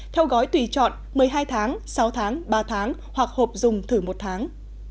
theo gói tùy chọn một mươi hai tháng sáu tháng ba tháng hoặc hộp dùng thử một tháng